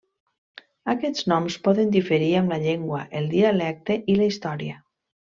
Aquests noms poden diferir amb la llengua, el dialecte i la història.